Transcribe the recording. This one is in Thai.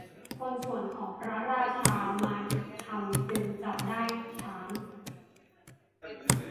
คนสวนของพระราชา มาทำจึงจับได้ช้าง